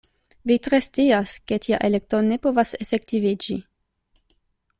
Vi tre scias, ke tia elekto ne povas efektiviĝi.